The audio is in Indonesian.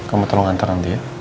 kamu tolong antar nanti ya